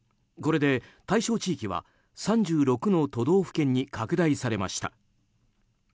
これで、対象地域は３６の都道府県に拡大されました。